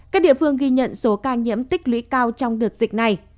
các địa phương ghi nhận số ca nhiễm tích lũy cao trong đợt dịch này